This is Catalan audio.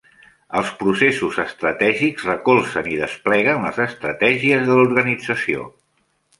Els processos estratègics recolzen i despleguen les estratègies de l'organització.